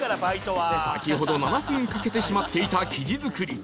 先ほど７分かけてしまっていた生地作り